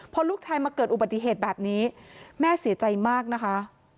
พอลูกชายมาเกิดอุบัติเหตุแบบนี้แม่เสียใจมากนะคะ